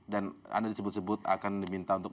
dan anda disebut sebut akan diminta untuk